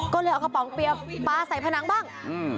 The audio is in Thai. ก็เลยเอากระป๋องเปี๊ยปลาใส่ผนังบ้างอืม